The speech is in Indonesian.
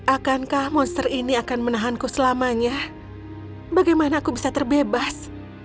akankah monster ini akan menahanku selamanya bagaimana aku bisa terbebas